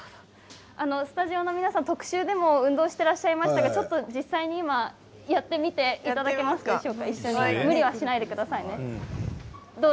スタジオの皆さんは特集でも運動していらっしゃいましたが、今実際にやってみていただけますか、無理はしないでくださいね。